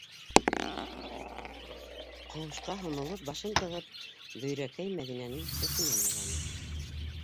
- Ҡыуышҡа һонолоп башын тығып, Бөйрәкәй Мәҙинәнең сәсенән яланы.